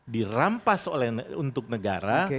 dirampas oleh untuk negara